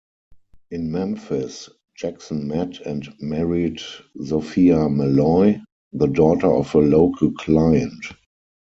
In Memphis, Jackson met and married Sophia Malloy, the daughter of a local client.